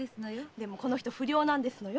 でもこの人不良なんですのよ。